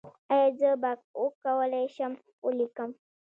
ایا زه به وکولی شم ولیکم؟